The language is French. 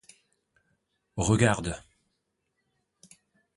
Regarde.